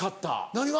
何が？